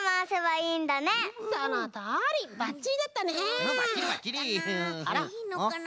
いいのかな？